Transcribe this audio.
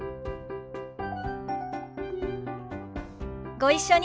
ご一緒に。